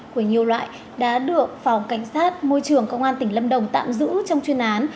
của nhiều loại đã được phòng cảnh sát môi trường công an tỉnh lâm đồng tạm giữ trong chuyên án